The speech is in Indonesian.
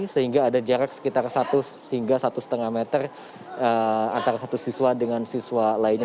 sehingga ada jarak sekitar satu hingga satu lima meter antara satu siswa dengan siswa lainnya